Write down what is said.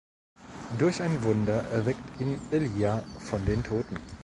Durch ein Wunder erweckt ihn Elija von den Toten.